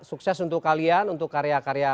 sukses untuk kalian untuk karya karya